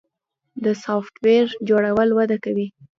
د سافټویر جوړول وده کوي